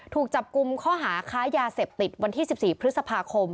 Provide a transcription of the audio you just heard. ถูกจับกลุ่มข้อหาค้ายาเสพติดวันที่๑๔พฤษภาคม